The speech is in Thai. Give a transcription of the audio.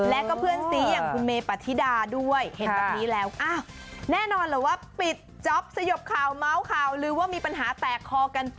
แล้วก็เพื่อนสีอย่างคุณเมย์ปฏิดาด้วยเห็นแบบนี้แล้ว